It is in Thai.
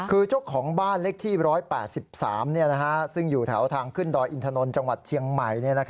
คือเจ้าของบ้านเลขที่๑๘๓ซึ่งอยู่แถวทางขึ้นดอยอินทนนท์จังหวัดเชียงใหม่